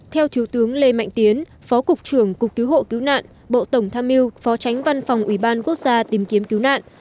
theo thiếu tướng lê mạnh tiến phó cục trưởng cục cứu hộ cứu nạn bộ tổng tham mưu phó tránh văn phòng ủy ban quốc gia tìm kiếm cứu nạn